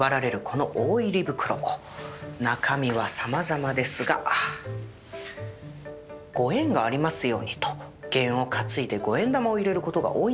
中身はさまざまですがご縁がありますようにとゲンを担いで五円玉を入れる事が多いんだそうです。